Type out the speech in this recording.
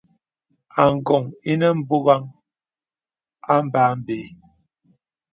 Àgòŋ inə mbugaŋ a mbâbə́.